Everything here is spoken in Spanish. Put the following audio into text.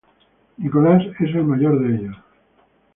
Nicolás es el mayor de ellos.